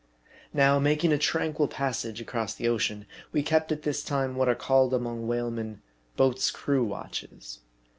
Now, making a tranquil passage across the ocean, we kept at this time what are called among whalemen " boats crew watches."